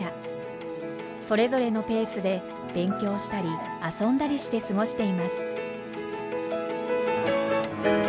それぞれのペースで勉強したり遊んだりして過ごしています。